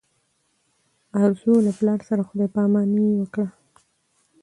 ارزو له پلار سره خدای په اماني وکړه.